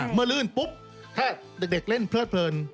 มือลื่นปุ๊บถ้าเด็กเล่นเพลิด